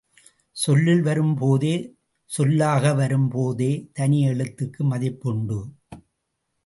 சொல்லில் வரும் போதே சொல்லாக வரும் போதே தனி எழுத்துக்கு மதிப்பு உண்டு.